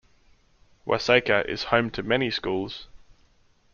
Waseca is home to many schools.